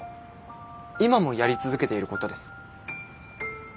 今もやり続けていることです。